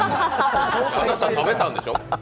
あなた、食べたんでしょ？